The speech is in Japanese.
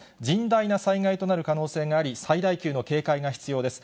甚大な災害となる可能性があり、最大級の警戒が必要です。